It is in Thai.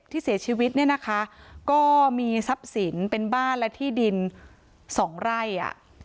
ที่เสียชีวิตเนี่ยนะคะก็มีทรัพย์สินเป็นบ้านและที่ดินสองไร่อ่ะ